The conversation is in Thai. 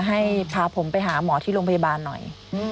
ให้พาผมไปหาหมอที่โรงพยาบาลหน่อย